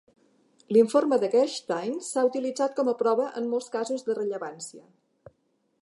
L'informe de Gerstein s'ha utilitzat com a prova en molts casos de rellevància.